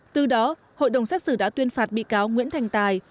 từ đó hội đồng xét xử đã tuyên phạt bị cáo nguyễn thành tài